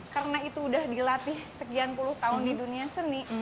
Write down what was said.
karena itu udah dilatih sekian puluh tahun di dunia seni